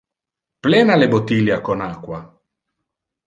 Plena le bottilia con aqua.